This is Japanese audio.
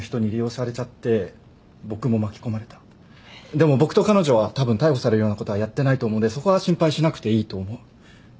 でも僕と彼女はたぶん逮捕されるようなことはやってないと思うんでそこは心配しなくていいと思う。